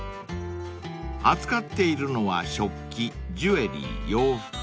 ［扱っているのは食器ジュエリー洋服